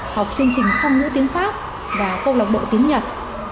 học chương trình phong ngữ tiếng pháp và công lập bộ tiếng nhật